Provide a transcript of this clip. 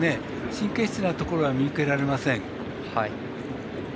神経質なところは見受けられません。